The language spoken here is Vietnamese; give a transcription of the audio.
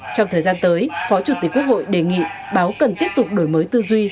trong thời gian tới phó chủ tịch quốc hội đề nghị báo cần tiếp tục đổi mới tư duy